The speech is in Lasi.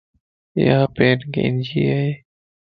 ايا پين ڪينجي ائي